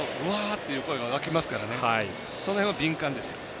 っていう声が沸きますからその辺は敏感ですよ。